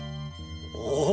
おお！